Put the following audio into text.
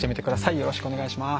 よろしくお願いします。